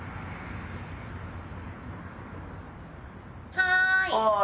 はい。